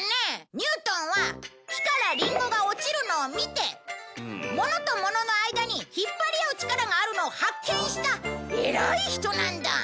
ニュートンは木からリンゴが落ちるのを見て物と物の間に引っぱり合う力があるのを発見した偉い人なんだ！